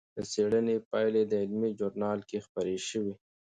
د څېړنې پایلې د علمي ژورنال کې خپرې شوې.